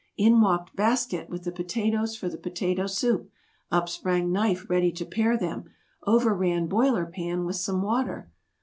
In walked Basket with the potatoes for the potato soup; up sprang Knife ready to pare them; over ran Boiler Pan with some water.